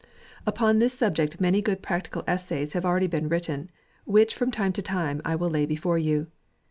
Upon this subject many good practical essays have already been writ ten, which from time to time I will lay before you.